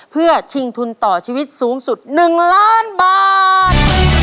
เพื่อชิงทุนต่อชีวิตสูงสุด๑ล้านบาท